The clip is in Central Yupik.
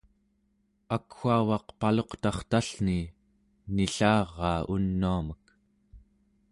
akwaugaq paluqtartallni nillaraa unuamek